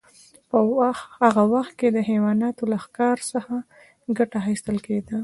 په هغه وخت کې د حیواناتو له ښکار څخه ګټه اخیستل کیده.